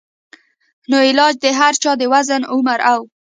نو علاج د هر چا د وزن ، عمر او